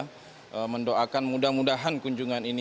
saya mendoakan mudah mudahan kunjungan indonesia